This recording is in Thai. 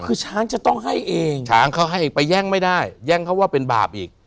คือช้างจะต้องให้เองช้างเขาให้เองไปแย่งไม่ได้แย่งเขาว่าเป็นบาปอีก